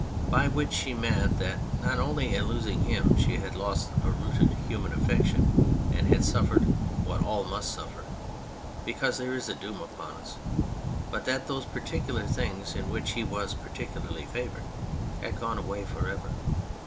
By which she meant that not only in losing him she had lost a rooted human affection and had suffered what all must suffer, because there is a doom upon us, but that those particular things in which he was particularly favoured had gone away for ever.